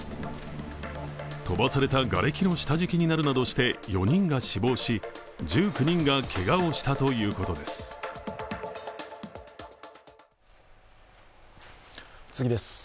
飛ばされたがれきの下敷きになるなどして４人が死亡し、１９人がけがをしたということです。